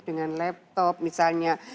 dengan laptop misalnya